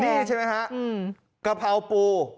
นี่ใช่ไหมฮะกะเพราปู